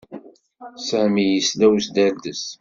Sami yesla i usderdez.